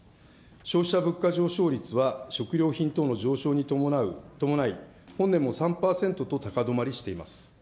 消費者物価上昇率は食料品等の上昇に伴い本年も３％と高止まりしています。